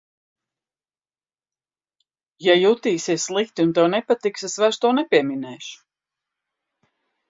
Ja jutīsies slikti un tev nepatiks, es vairs to nepieminēšu.